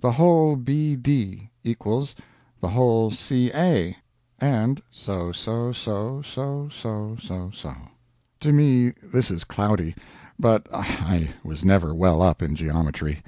The whole BD = the whole CA, and so so so so so so so." To me this is cloudy, but I was never well up in geometry.